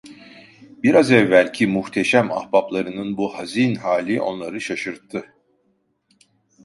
Biraz evvelki muhteşem ahbaplarının bu hazin hali onları şaşırttı.